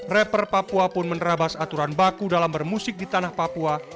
rapper papua pun menerabas aturan baku dalam bermusik di tanah papua